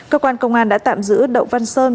cơ quan công an đã tạm giữ đậu văn sơn